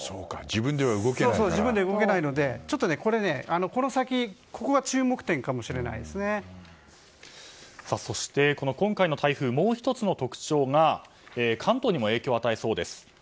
自分では動けないのでこの先、ここがそして、今回の台風もう１つの特徴が関東にも影響を与えそうです。